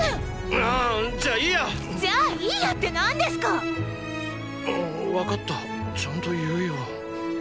あぁじゃあいいや！じゃあいいやって何ですか⁉あーわかったちゃんと言うよ。